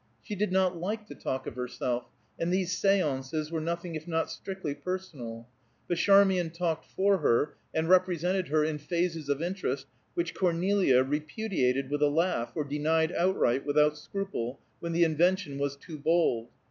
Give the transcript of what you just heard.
She did not like to talk of herself, and these séances were nothing if not strictly personal; but Charmian talked for her, and represented her in phases of interest which Cornelia repudiated with a laugh, or denied outright, without scruple, when the invention was too bold.